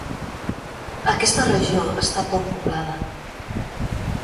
Aquesta regió està poc poblada.